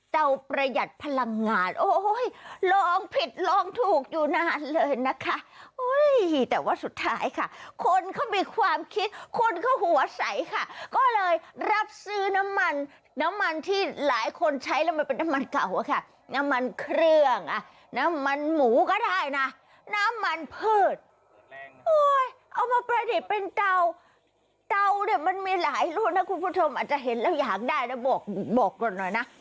เตาเนี่ยมันมีหลายรุ่นน่ะคุณผู้ชมอาจจะเห็นแล้วอยากได้แล้วบอกบอกหน่อยน่ะ